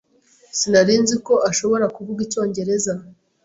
Sinari nzi ko ashobora kuvuga icyongereza.